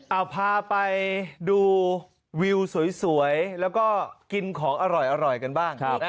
เอาพาไปดูวิวสวยแล้วก็กินของอร่อยกันบ้าง